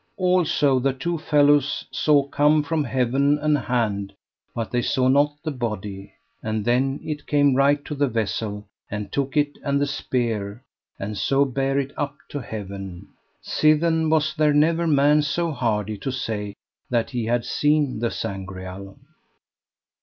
Also the two fellows saw come from heaven an hand, but they saw not the body. And then it came right to the Vessel, and took it and the spear, and so bare it up to heaven. Sithen was there never man so hardy to say that he had seen the Sangreal.